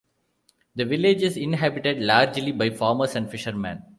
The village is inhabited largely by farmers and fishermen.